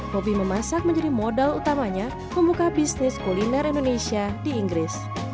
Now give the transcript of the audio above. hobi memasak menjadi modal utamanya membuka bisnis kuliner indonesia di inggris